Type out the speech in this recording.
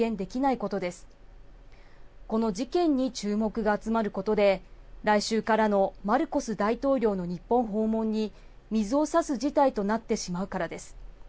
この事件に注目が集まることで、来週からのマルコス大統領の日本訪問に、水をさす事態となってしまうからです。